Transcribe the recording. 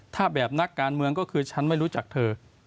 ถ้าแบบนักการเมืองก็คือฉันไม่รู้จักเธอ